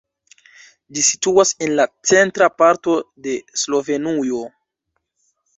Ĝi situas en la centra parto de Slovenujo.